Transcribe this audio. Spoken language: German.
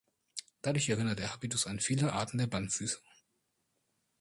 Dadurch erinnert der Habitus an viele Arten der Bandfüßer.